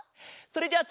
それじゃあ。